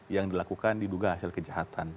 yang dilakukan diduga hasil kejahatan